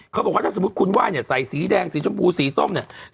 เขาบอกว่าถ้าสมมุติคุณไหว้เนี่ยใส่สีแดงสีชมพูสีส้มเนี่ย